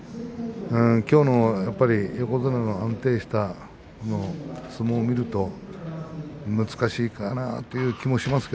きょうの横綱の安定した相撲を見ると難しいかなという気もしますね。